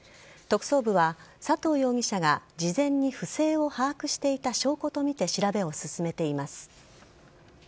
特捜部は佐藤容疑者が事前に不正を把握していた証拠とみて調べを進めています。